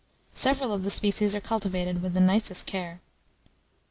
Several of the species are cultivated with the nicest care.